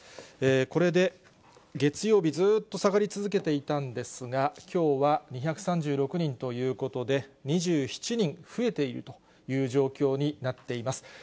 これで月曜日、ずっと下がり続けていたんですが、きょうは２３６人ということで、２７人増えているという状況になっています。